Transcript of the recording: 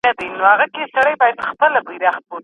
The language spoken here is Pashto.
د هغوی هڅې د خپل ګټور مقصد لپاره وکاروئ.